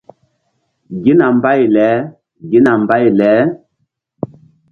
Gina mbay leGina mbay le.